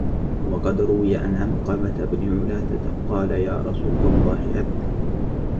وَقَدْ رُوِيَ أَنَّ عَلْقَمَةَ بْنَ عُلَاثَةَ قَالَ يَا رَسُولَ اللَّهِ عِظْنِي